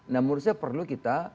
nah menurut saya perlu kita